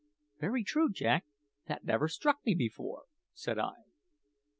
"Very true, Jack; that never struck me before," said I.